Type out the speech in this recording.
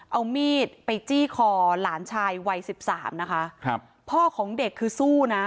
เอามีดไปจี้คอหลานชายวัยสิบสามนะคะครับพ่อของเด็กคือสู้นะ